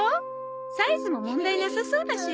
サイズも問題なさそうだし。